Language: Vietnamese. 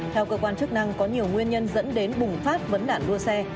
theo cơ quan chức năng có nhiều nguyên nhân dẫn đến bùng phát vấn đạn đua xe